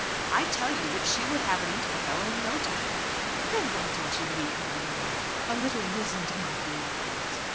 "I tell you that she would have it into a fellow in no time." "Then why don't you leave her alone? A little wizened monkey like that!"